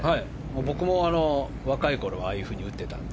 僕も若いころああいうふうに打っていたので。